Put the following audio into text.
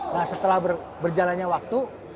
nah setelah berjalannya waktu